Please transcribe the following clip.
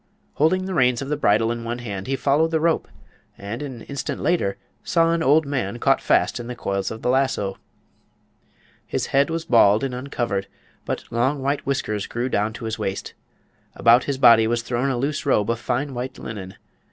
Holding the reins of the bridle in one hand, he followed the rope, and an instant later saw an old man caught fast in the coils of the lasso. His head was bald and uncovered, but long white whiskers grew down to his waist. About his body was thrown a loose robe of fine white linen.